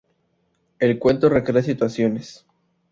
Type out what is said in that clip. El cuento recrea situaciones.